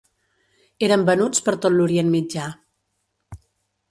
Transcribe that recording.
Eren venuts per tot l'Orient Mitjà.